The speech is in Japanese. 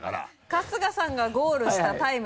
春日さんがゴールしたタイム。